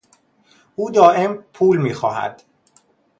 او دایم پول میخواهد.